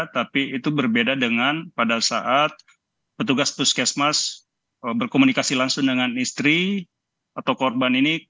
tapi itu berbeda dengan pada saat petugas puskesmas berkomunikasi langsung dengan istri atau korban ini